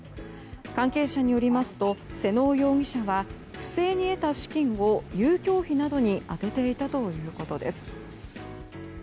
関係者によりますと妹尾容疑者は不正に得た資金を遊興費などに充てていたということです。